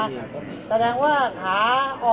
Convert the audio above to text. อันนี้คือ๑จานที่คุณคุณค่อยอยู่ด้านข้างข้างนั้น